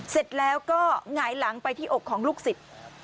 เสร็จแล้วก็หงายหลังไปที่อกของลูกศิษย์